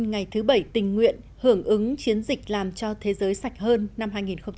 ngày thứ bảy tình nguyện hưởng ứng chiến dịch làm cho thế giới sạch hơn năm hai nghìn hai mươi